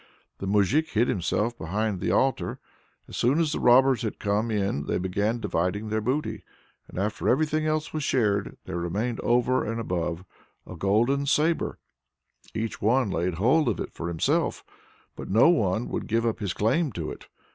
The moujik hid himself behind the altar. As soon as the robbers had come in they began dividing their booty, and after everything else was shared there remained over and above a golden sabre each one laid hold of it for himself, no one would give up his claim to it.